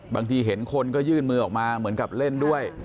บางทีเห็นคนก็ยื่นมือออกมาเหมือนกับเล่นด้วย